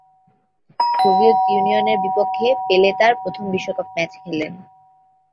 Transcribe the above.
Soviet ইউনিয়নের বিপক্ষে Pele তার প্রথম বিশ্বকাপ ম্যাচ খেলেন।